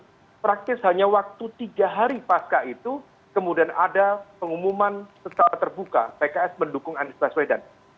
karena praktis hanya waktu tiga hari pasca itu kemudian ada pengumuman secara terbuka pks mendukung anies baswedan